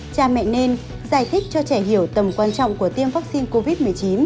cha mẹ nên giải thích cho trẻ hiểu tầm quan trọng của tiêm vaccine covid một mươi chín